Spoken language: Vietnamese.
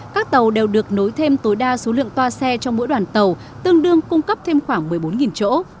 các tàu đều được nối thêm tối đa số lượng toa xe trong mỗi đoàn tàu tương đương cung cấp thêm khoảng một mươi bốn chỗ